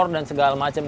dan segala macam